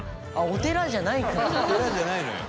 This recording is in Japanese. お寺じゃないのよ。